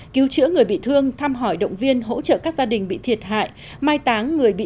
cứu chữa người bị thương thăm hỏi động viên hỗ trợ các gia đình bị thiệt hại mai táng người bị